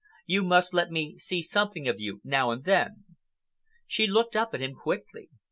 You must let me see something of you now and then." She looked up at him quickly.